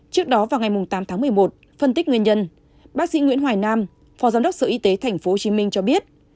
trước đó vào ngày tám tháng một mươi một phân tích nguyên nhân bác sĩ nguyễn hoài nam phó giám đốc sở y tế tp hcm cho biết